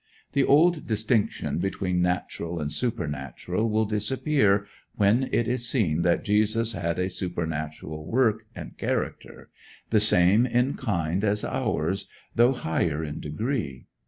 The old distinction between "natural" and "supernatural" will disappear when it is seen that Jesus had a supernatural work and character, the same in kind as ours, though higher in degree.